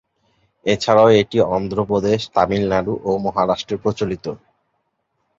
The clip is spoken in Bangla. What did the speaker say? এছাড়াও এটি অন্ধ্র প্রদেশ, তামিলনাড়ু ও মহারাষ্ট্রে প্রচলিত।